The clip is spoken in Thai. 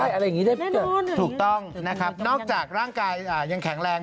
อะไรอย่างนี้ได้เกิดถูกต้องนะครับนอกจากร่างกายยังแข็งแรง